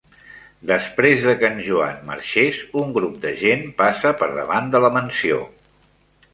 Després de que en Joan marxés, un grup de gent passa per davant de la mansió.